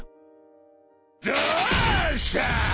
どうしたぁ！？